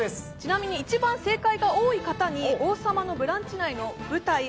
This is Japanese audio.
ちなみに、一番正解が多い方に「王様のブランチ」内の舞台